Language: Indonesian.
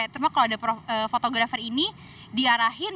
cuma kalau ada fotografer ini diarahin